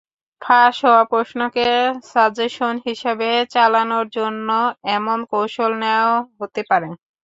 ফাঁস হওয়া প্রশ্নকে সাজেশন হিসেবে চালানোর জন্য এমন কৌশল নেওয়া হতে পারে।